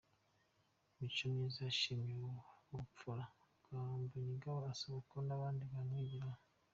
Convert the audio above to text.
Micomyiza yashimye ubupfura bwa Mbonigaba asaba ko n’abandi bamwigiraho.